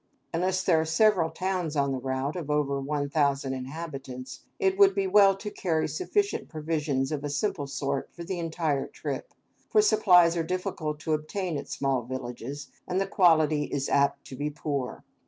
Unless there are several towns on the route, of over one thousand inhabitants, it would be well to carry sufficient provisions of a simple sort for the entire trip, for supplies are difficult to obtain at small villages, and the quality is apt to be poor.